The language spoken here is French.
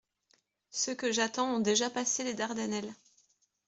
Ceux que j'attends ont déjà passé les Dardannelles.